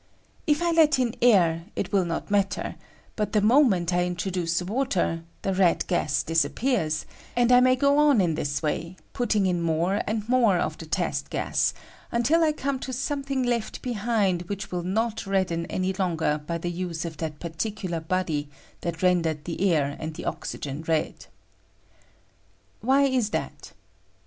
If I let in air, it will not matter; but the moment I introduce water, the red gas disappears ; and I may go on in this way, putting in more and more of the test gas, until I come to something left behind which will not redden any longer by the use of that particular body that rendered the air and the oxygen red. Why is that